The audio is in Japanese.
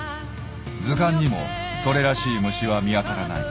図鑑にもそれらしい虫は見当たらない。